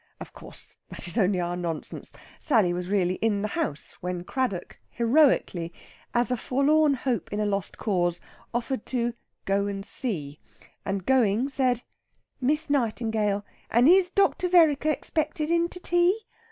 Of course, that is only our nonsense. Sally was really in the house when Craddock heroically, as a forlorn hope in a lost cause, offered to "go and see"; and going, said, "Miss Nightingale; and is Dr. Vereker expected in to tea?"